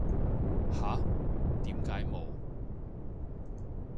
吓？點解冇